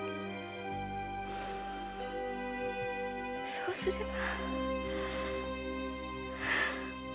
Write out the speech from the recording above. そうすれば。